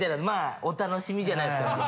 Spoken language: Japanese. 「まあお楽しみじゃないですか」